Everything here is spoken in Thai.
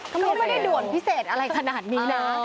ก็ไม่ได้ด่วนพิเศษอะไรขนาดนี้นะ